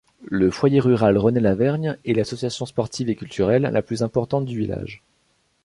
Le foyer rural René-Lavergne est l'association sportive et culturelle la plus importante du village.